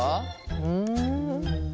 うん。